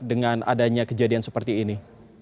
dengan adanya kejadian seperti ini